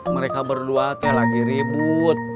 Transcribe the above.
mereka berdua lagi ribut